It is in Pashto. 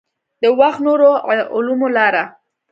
د وخت نورو علومو لاره.